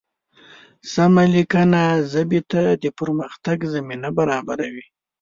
سمه لیکنه ژبې ته د پرمختګ زمینه برابروي.